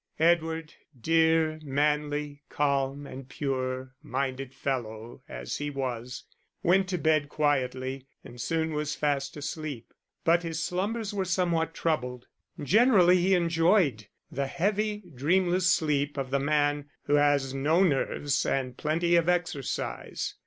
Edward dear, manly, calm, and pure minded fellow as he was went to bed quietly and soon was fast asleep. But his slumbers were somewhat troubled: generally he enjoyed the heavy dreamless sleep of the man who has no nerves and plenty of exercise.